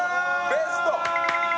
ベスト！